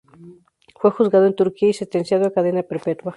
Fue juzgado en Turquía y sentenciado a cadena perpetua.